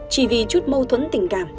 chỉ vì chút mâu thuẫn tình cảm